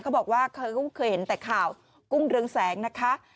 บอกว่าเคยเห็นแต่ข่าวกุ้งเรืองแสงนะคะ